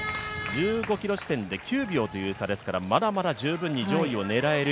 １５ｋｍ地点で９秒という差ですからまだまだ十分に上位を狙える